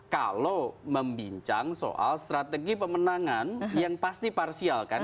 kalau membincang soal strategi pemenangan yang pasti parsial kan